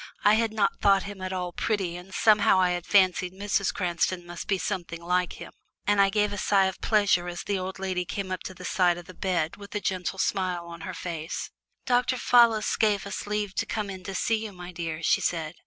I had not thought him at all "pretty," and somehow I had fancied Mrs. Cranston must be something like him, and I gave a sigh of pleasure as the old lady came up to the side of the bed with a gentle smile on her face. "Dr. Fallis gave us leave to come in to see you, my dear," she said.